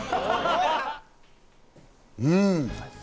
うん。